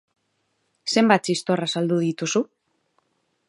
Zenbat txistorra saldu dituzu?